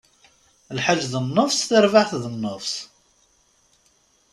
Lḥaǧ d nnefṣ, tarbaɛt d nnefṣ!